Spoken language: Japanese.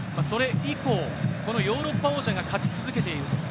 それ以降、このヨーロッパ王者が勝ち続けている。